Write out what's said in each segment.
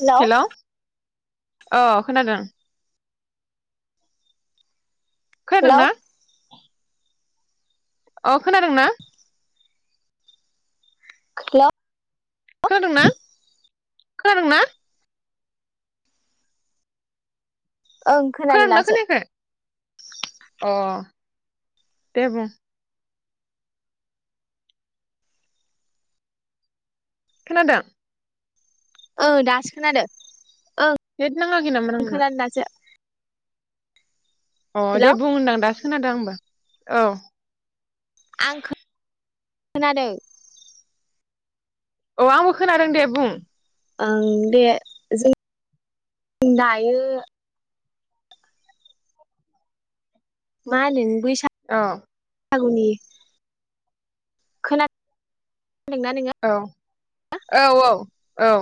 Hello ओ खोनादों hello खोनादोंना? अ खोनादोंना? हेलौ खोनादोंना? खोनादोंना? ओं खोनादों खोनादोंना दासो खोनायाखै अ दे बुं खोनादों ओ दासो खोनादों ओं नेट नाङाखै नामा नोंना खोनादों [unintelligible] अ दे हेलौ बुं होनदां दासो खोनादों आंबो औ आं खो नादों औ आंबो खोनादों दे बुं ओं दे जों दायो मा होनो बै औ सागुनि खोना औ औ औ औ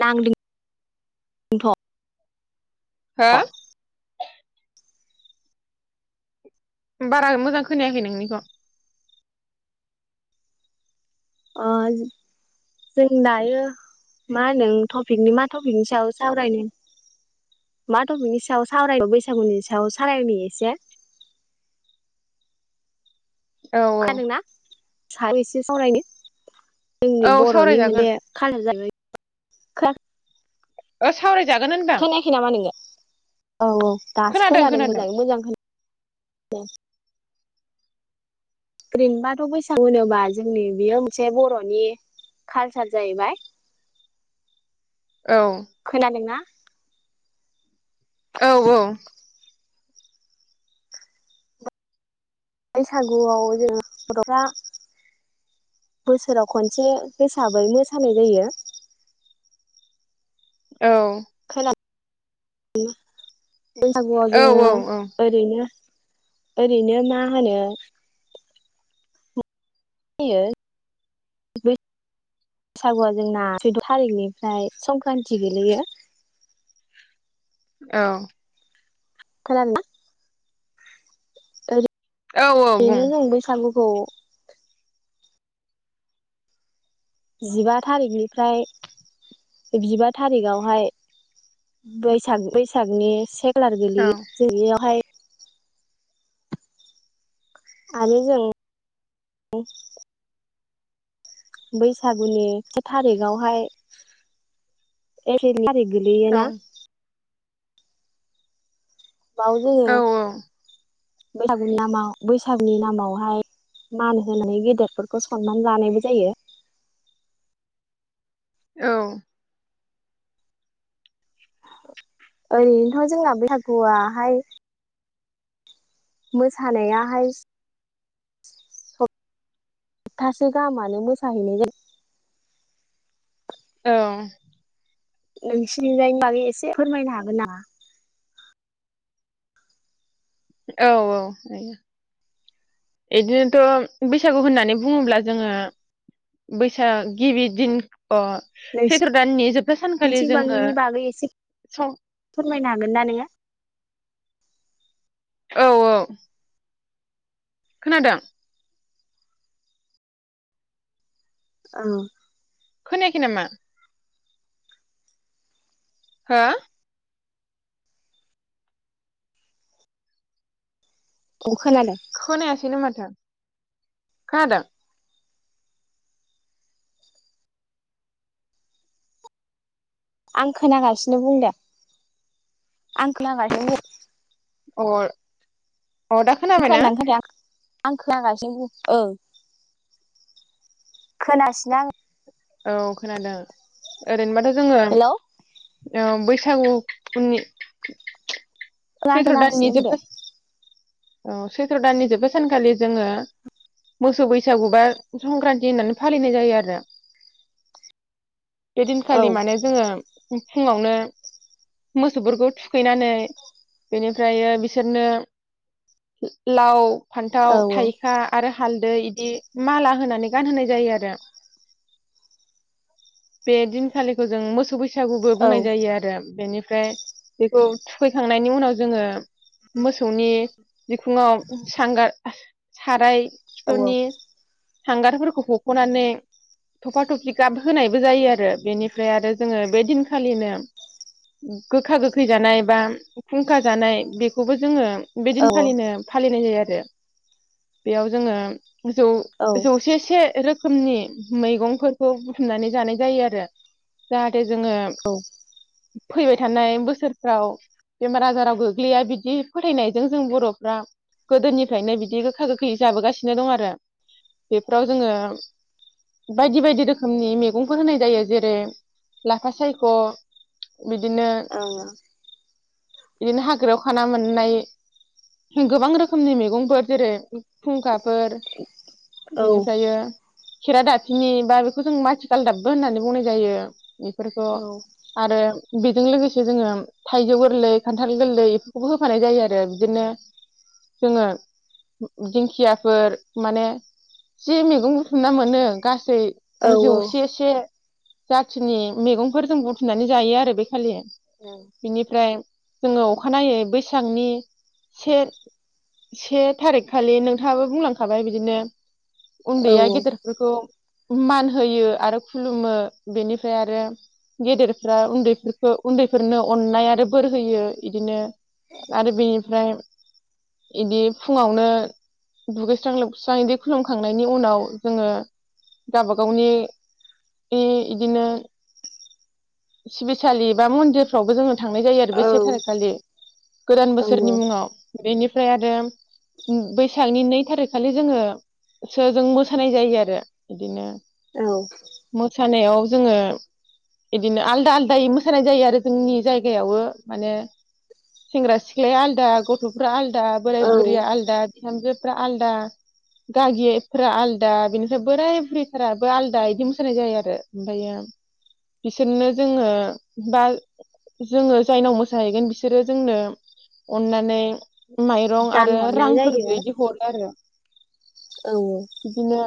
नांदों थ' हो? बारा मोजां खोनायाखै नोंनिखौ अ जों दायो मा होनो टपिकनि मा टपिकनि सायाव सावरायनो मा टपिकनि सायाव सावरायनो बैसागुनि सायाव सावरायनि एसे औ औ खोनादोंना [unintelligible] एसे सावरायनि जोंनि औ बर'नि सावरायजागोन मोनसे कालार जाहैबाय खा ओ सावराय खोनायाखै नामा नोङो? औ औ दासो खोनादों मोजाङै मोजां खोना [unintelligible] ओरैनोबाथ' बैसागु होनोबा जोंनि बियो मोनसे बर'नि कालचार जाहैबाय औ खोनादोंना? औ औ बैसागुआव जों गथ'फ्रा बोसोराव खनसे हिसाबै मोसानाय जायो। औ खोना उम बैसागुआव औ जोङो औ औ ओरैनो ओरैनो मा होनो [unintelligible] बैसागुआ जोंना सैद' थारिखनिफ्राय संक्रान्ति गोेलैयो। औ खोनादोंना? ओरि औ औ बुं बेनो जायो बैसागु ह जिबा थारिखनिफ्राय जिबा थारिगआवहाय बैसाग बैसागनि से खालार औ गोलैयो जैययावहाय आरो जों। बैसागुनि से थारिगावहाय एफ्रिलनि थारिग। गोलैयो औ ना? बाव जोङो औ बैसागुनि नामाव बैसागुनि नामावहाय मान होनानै गेदेरफोरखौ सनमान जानायबो जायो। औ ओरैनोथ' जोंना बैसागुवाहाय मोसानायाहाय हबथासे गाहामानो मोसाहैनाय जायो। औ नोंसिनिजाय बागै एसे फोरमायनो हागोन ना? औ औ बिदिनोथ' बैसागु होननानै बुङोब्ला जोङो बैसाग गिबि दिन अ सैथ्र' दाननि जोबथा सानखालि नोंसिनिथिं जोङो बागैनि बागै एसे स फोरमायनो हागोन ना नोङो औ औ खोनादों? औ खोनायाखै नामा? हो औ खोनादों खोनायासैनो मााथो। खोनादों। आं खोनागासिनो बुं दे आं खोनागासिनो अ अदा खोनाबायना? खोनादों खोनादों आं खोनागासिनो ओं खोनासिना आं। औ खोनादों ओरैनोबाथ' हेलौ जोङो बै [unintelligible] उननि आं सैथ्र खोनागासिनो दाननि बुंदो जोब औ सैथ्र' दाननि जोबथा‌ सानखालि जोंङो मोसौ बैसागु बा संक्रान्ति होननानै फालिनाय जायो आरो बे औ दिनखालि माने जोंङो फुंङावनो मोसौफोरखौ थुखैनानै बेनिफ्रयो बिसोरनो लाव फान्थाव औ थाइखा आरो हालदै इदि माला होनानै गानहोनाय जायो आरो बे दिनखालिखौ जों मोसौ बैसा बैसागुबो औ बुंनाय जायो आरो बेनि फ्राय बेखौ थुखैखांनायनि उनाव जोंङो मोसौनि बिखुंङाव सांगार [inaudible] साराय दानहरनाय सुनि हांगारफोरखौ हख'नानै थफा थफि गाब होनायबो जायो आरो बेनिफ्राय आरो जोंङो बे दिनखालिनो गोखा गोखै जानाय बा खुंखा जानाय बेखौबो जोंङो बे दिन जायो खालिनो फालिनाय जायो आरो [inaudible] बेयाव जोंङो जौ जौसे से रोखो रोखोमनि मैगंफोरखौ बुथुमनानै जानाय जायो आरो जा थे जोंङो फैबाय थानाय बोसोरफ्राव बेमार आजाराव गोग्लैया बिदि फोथायनायजों जों बर'फ्रा गोदोनिफ्रायनो बिदि गोखा गोखै जाबोगासिनो दं आरो बेफोराव जोंङो बायदि बायदि रोखोमनि मैगंफोर होनाय जायो जेरै लाफा सायख बिदिनो बिदिनो हाग्रायाव खाना मोननाय गोबां रोखोमनि मैगंफोर जेरै खुंखाफोर बिनिफ्रायो खेरा दाफिनि बा बेखौ जों माथि गालदाबबो होननानै बुंनाय जायो बेफोरखौ आरो बेजों लोगोसे जोंङो थाइजौ लै खान्थाल गोरलैबो बेफोरखौ बो होफानाय आरो बिदिनो जोंङो दिंखियाफोर माने जि मैगं बुथुमना मोनो दै [unintelligible] जौसे से जाथिनि मैगंफोर जों बथुमनानै जायो आरो बे फालि बिनिफ्राय जोंङो अखानायै बैसागनि से से थारिख खालि नोंथांङाबो बुंलांखाबाय बिदिनो उन्दैया गेदेरफोरखौ मान होयो आरो खुलुमो बेनिफ्राय आरो गेदेरफ्रा उन्दैफोरखौ उन्दैफोरनो अननाय आरो बोर होयो इदिनो आरो बेनिफ्राय इदि फुङावनो दुगैस्रां लोबस्रां इदि खुलुमखांनायनि उनाव जोङो गावबा गावनि बि इदिनो सिबिसालि बा मन्दिरफ्रावबो जोङो थांनाय बेसे थायखालि गोदान बोसोरनि मुङाव बेनि ओमफ्राय आरो बैसागनि नै थारिखखालि जोङो सो जों मोसानाय जायो आरो बिदिनो औ। मोसानायाव जोङो बिदिनो आलदा आलदायै मोसानाय जायो आरो जोंनि जायगायावओ माने सेंग्रा सिख सिख्लाया आलदा गथ'फ्रा आलदा बोराय बुरैया आलदा बिहामजो आलदा गागेफोरा आलदा बिनिफ्राय बोराय बुरैफोराबो आलदा बिदि मोसानाय जायो आरो ओमफाय बिसोरनो जोङो बा जोङो जायनाव मोसाहैगोन बिसोरो जोंनो अननानै माइरं आरो रांफोरबो बिदि हरो आरो औ बिदिनो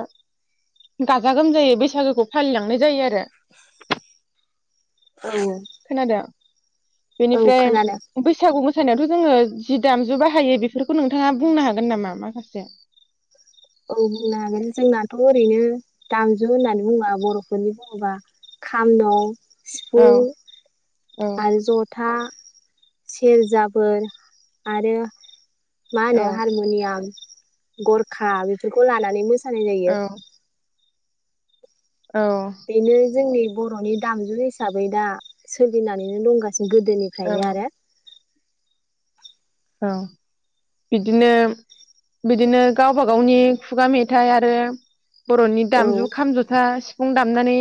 गाजा गोमजायै बैसागोखौ फालिलांनाय जायो आरो [inaudible] औ औ खोनादों बेनिफ्राय खोनादों बैसागु मोस मोसानायावथ' जोङो जि दामजु बाहायो बेफोरखौ नोंथाङा बुंनो हागोन नामा? माखासे औ बुंनो हागोन जोंनाथ' ओरैनो दामजु होननानै बुङा बर'फोरनि बुङोबा खाम दं। औ सिफुं औ आरो ज'था, सेरजा बोर आरो मा औ होनो हारम'नियाम, गरखा बे बेखौ लानानै मोस सानाय जायो। औ औ बेनो जोंनि बर'नि दामजु हिसाबै दा सोलिनानैनो दंगा औ गोदोनिफ्रायनो आरो औ बिदिनो बिदिनो गावबाागावनि खुगा मेथाइ आरो बर'नि औ दामजु खाम ज'था सिफुं दामनानै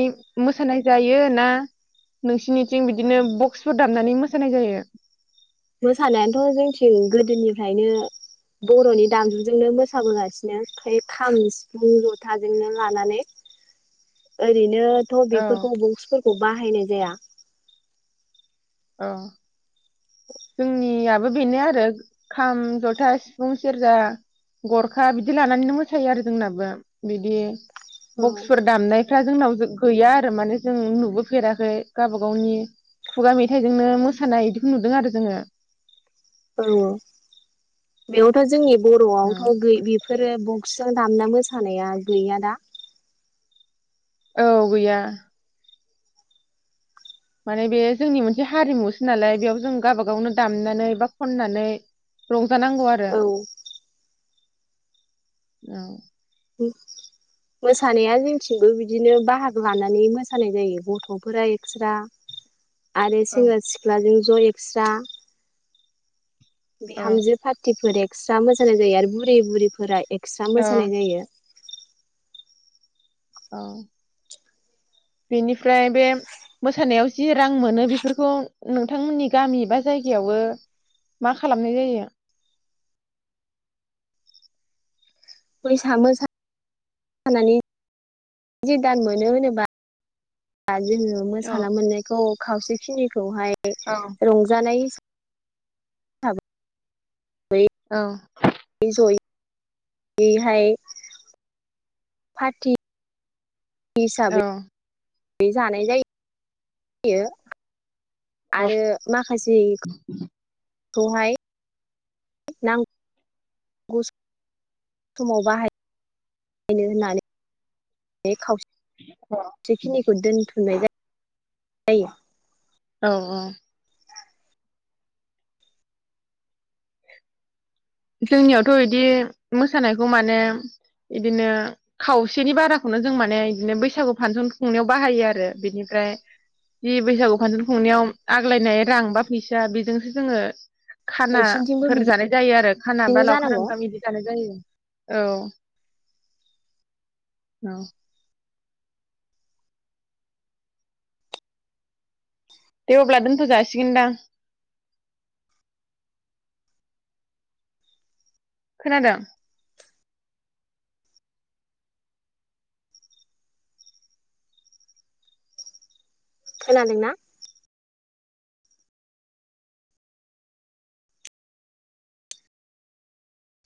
मोसानाय जायो ना नोंसिनिथिं बिदिनो बक्सफोर दामनानै मोसानाय जायो? मोसानायानोथ' जोंनिथिं गोदोनिफ्रायनो बर'नि दामजुजोंनो मोसाबोगासिनो ओमफाय खाम सिफुं ज'थाजोंनो लानानै ओरै बिनोथ' औ बेफोरखौ बुक्सफोरखौ बाहायनाय जाया औ। जोंनिया बेनो आरो खाम ज'था सिफुं सेरजा गरखा बिदि लानानैनो मोसायो आरो जोंनाबो बिदि औ बक्सफोर दामनायफ्रा जोंनाव गो-गैया आरो माने जों नुबोफेराखै गावबा गावनि खुगा मेथाइजोंनो मोसानाय बिदिखौ नुदों आरो जोंङो औ बेयावथ' जोंनि औ बर'आवथ' गै-बेफोरो बक्स जों दामना मोसानाया गैया दा औ गैया माने बे जोंनि मोनसे हारिमुसो नालाय बेयाव जों गावाबा गावनो दामनानै बा खननानै रं नांगौ आरो औ औ मोसानाया जोंथिंबो बिदिनो बाहागो लानानै मोसानाय जायो गथफोरा एक्स्रा आरो अ सेंग्रा सिख्लाजों ज‌ एक्स्रा बिहामजो फारटि फोर एस स्रा मोसानाय जायो आरो बुरै बुरिफोरा एक एकस्रा औ मोसानाय जायो औ बेनिफ्राय बे मोसानायाव जि रां मोनो बेफोरखौ नोंथांमोननि गामि बा जायगायावबो मा खालामनाय जायो फैसा मोसानानै जि दान मोनो होनोबा जोंङो औ मोसाना मोननायखौ खावसेखिनि एक खौहाय औ रंजानाय हाब औ जयै हाय पारटि हिसाबै औ बे जानाय जा यो आरो माखासे खौ हाय नां गो समाव बाहाय नों होननानै औ बेखिनिखौ दोनथुमनाय जायो जायो औ औ जोंनियावथ इदि मोसानायखौ माने इदिनो खावसेनि बाराखौनो जों माने इदिनो बैसागु फांसन खुंनायाव बाहायो आरो बिनिफ्राय जि बैसागु फांसन खुंनायाव आग्लायनाय रां बा फैसा बेजोंसो जोङो नोंसिनिथिंबो खानाफोर जानाय जायो आरो खाना बा बिदिनो लावखार जानांगौ ओंखाम बिदि जानाय जायो औ औ दे अब्ला दोनथजासिगोनदां खोनादों खोनदों ना?